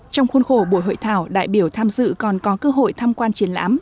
trong khuôn khổ buổi hội thảo đại biểu tham dự còn có cơ hội tham quan triển lãm